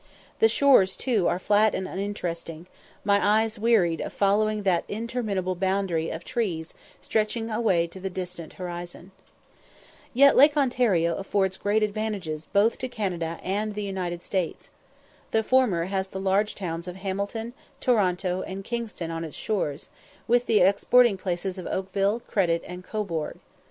The shores, too, are flat and uninteresting; my eyes wearied of following that interminable boundary of trees stretching away to the distant horizon. Yet Lake Ontario affords great advantages to both Canada and the United States. The former has the large towns of Hamilton, Toronto, and Kingston on its shores, with the exporting places of Oakville, Credit, and Cobourg.